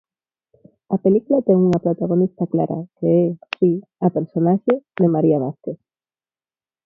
A película ten unha protagonista clara que é, si, a personaxe de María Vázquez.